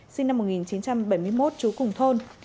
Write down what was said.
sinh năm một nghìn chín trăm bảy mươi một trú cùng thôn